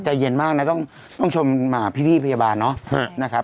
ใจเย็นมากนะต้องชมพี่พยาบาลเนาะนะครับ